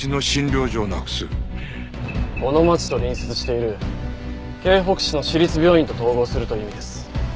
この町と隣接している京北市の市立病院と統合するという意味です。